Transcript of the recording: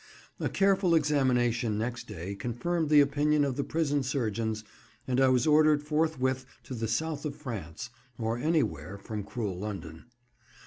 A careful examination next day confirmed the opinion of the prison surgeons, and I was ordered forthwith to the South of France, or anywhere from cruel London.